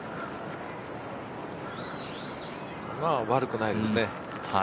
悪くないですね。